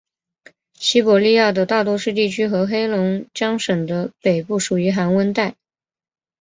西伯利亚的大多数地区和黑龙江省的北部属于寒温带。